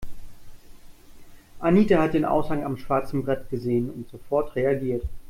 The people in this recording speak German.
Anita hat den Aushang am schwarzen Brett gesehen und sofort reagiert.